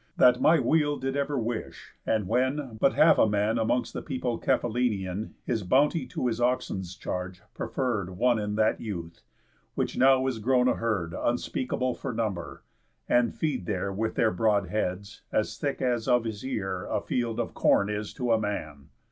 That my weal Did ever wish, and when, but half a man Amongst the people Cephallenian, His bounty to his oxen's charge preferr'd One in that youth; which now is grown a herd Unspeakable for number, and feed there With their broad heads, as thick as of his ear A field of corn is to a man.